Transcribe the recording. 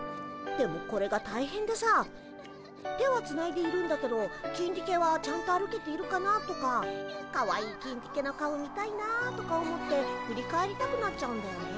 でもこれが大変でさ手はつないでいるんだけどキンディケはちゃんと歩けているかな？とかかわいいキンディケの顔見たいなとか思って振り返りたくなっちゃうんだよね。